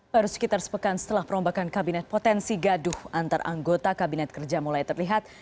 baru sekitar sepekan setelah perombakan kabinet potensi gaduh antar anggota kabinet kerja mulai terlihat